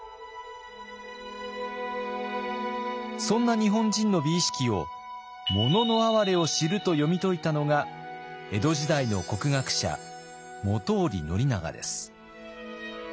そんな日本人の美意識を「“もののあはれ”を知る」と読み解いたのが江戸時代の国学者本居宣長です。